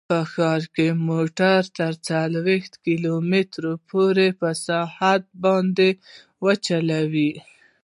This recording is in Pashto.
ښار کې موټر تر څلوېښت کیلو متره پورې په ساعت باندې وچلوئ